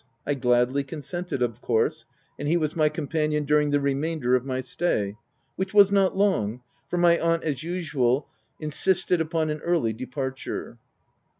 I gladly consented, of course ; and he was my companion during the remainder of my stay, which was not long, for my aunt, as usual, insisted upon an early de parture.